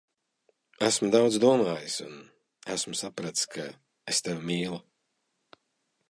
Esmu daudz domājis, un esmu sapratis, ka es tevi mīlu.